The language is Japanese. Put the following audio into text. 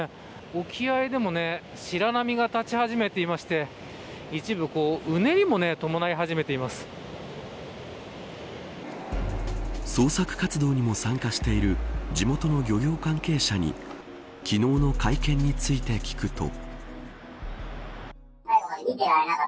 沖合でも白波が立ち始めていまして捜索活動にも参加している地元の漁業関係者に昨日の会見について聞くと。